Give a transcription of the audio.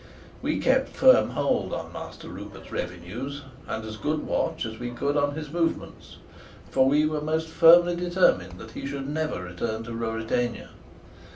We kept firm hold on Master Rupert's revenues, and as good watch as we could on his movements; for we were most firmly determined that he should never return to Ruritania.